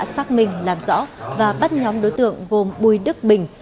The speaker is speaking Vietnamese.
xác minh làm rõ và bắt nhóm đối tượng gồm bùi đức bình